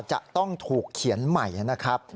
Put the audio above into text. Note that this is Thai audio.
จะต้องถูกเขียนใหม่นะครับ